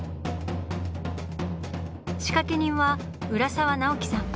仕掛け人は浦沢直樹さん。